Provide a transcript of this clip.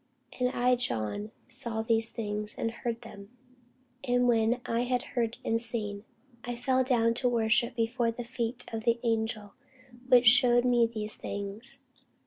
And I John saw these things, and heard them. And when I had heard and seen, I fell down to worship before the feet of the angel which shewed me these things.